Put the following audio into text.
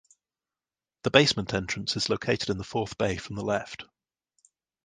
The basement entrance is located in the fourth bay from the left.